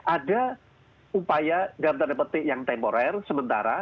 ada upaya dalam tanda petik yang temporer sementara